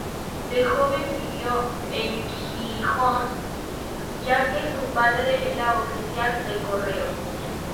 De joven vivió en Gijón, ya que su padre era oficial de correos.